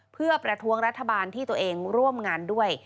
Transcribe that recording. เพื่อประท้วงรัฐบาลที่ตัวเองร่วมงานด้วย